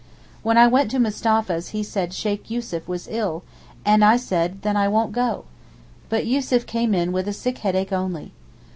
When I went to Mustapha's he said Sheykh Yussuf was ill, and I said 'Then I won't go.' But Yussuf came in with a sick headache only.